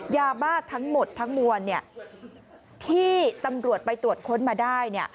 ยาบ้าทั้งหมดทั้งมวลที่ตำรวจไปตรวจค้นมาได้